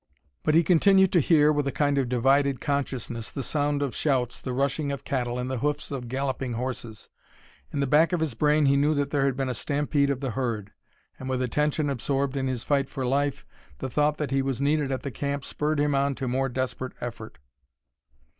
But he continued to hear, with a kind of divided consciousness, the sound of shouts, the rushing of cattle, and the hoofs of galloping horses. In the back of his brain he knew that there had been a stampede of the herd, and with attention absorbed in his fight for life, the thought that he was needed at the camp spurred him on to more desperate effort.